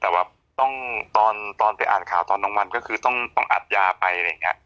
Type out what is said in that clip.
แต่ตอนไปอ่านข่าวตอนน้องบรรก็คือต้องอัดยาไป